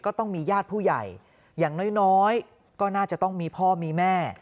ก็ต้องมีญาติผู้ใหญ่อย่างน้อยก็น่าจะต้องมีพ่อมีแม่